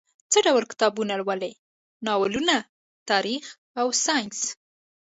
څه ډول کتابونه لولئ؟ ناولونه، تاریخ او ساینس